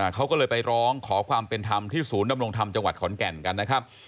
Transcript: เขาก็เลยไปร้องขอความเป็นธรรมที่ศูนย์ดำรงธรรมจังหวัดขอนแก่นกันนะครับ